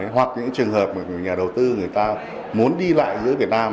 hoặc những trường hợp mà nhà đầu tư người ta muốn đi lại giữa việt nam